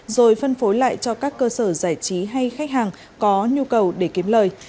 rồi phân phối lại cho các cơ sở giải trí hay khách hàng có nhu cầu để kiếm lời